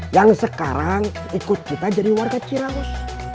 yang sekarang ikut kita jadi warga ciramus